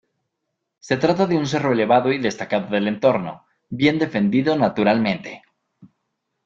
Se trata de un cerro elevado y destacado del entorno, bien defendido naturalmente.